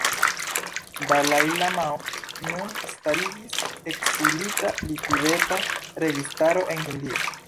Dalai Lamao nun starigis Ekzilita tibeta registaro en Hindio.